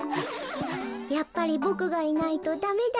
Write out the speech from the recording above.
「やっぱりボクがいないとダメだよね」